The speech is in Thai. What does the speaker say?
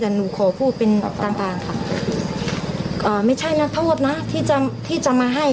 แต่หนูขอพูดเป็นต่างต่างค่ะอ่าไม่ใช่นักโทษนะที่จะที่จะมาให้